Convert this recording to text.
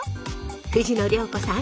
藤野涼子さん